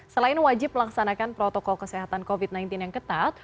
selain wajib melaksanakan protokol kesehatan covid sembilan belas yang ketat